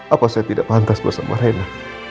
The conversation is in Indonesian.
apa saya tidak pantas bersama rena